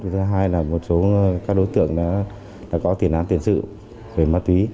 thứ hai là một số các đối tượng đã có tiền án tiền sự về ma túy